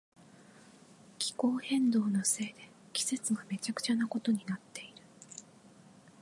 気候変動のせいで季節がめちゃくちゃなことになっている。